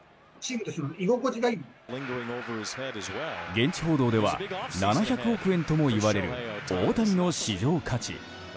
現地報道では７００億円ともいわれる大谷の市場価値。